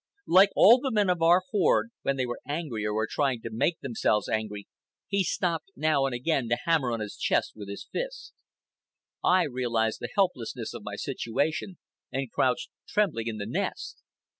Like all the men of our horde, when they were angry or were trying to make themselves angry, he stopped now and again to hammer on his chest with his fist. I realized the helplessness of my situation, and crouched trembling in the nest.